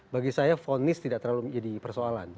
bagi saya fonis tidak terlalu menjadi persoalan